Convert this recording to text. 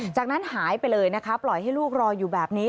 จากนั้นหายไปเลยนะคะปล่อยให้ลูกรออยู่แบบนี้